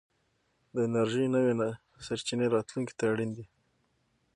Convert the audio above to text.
د انرژۍ نوې سرچينې راتلونکي ته اړين دي.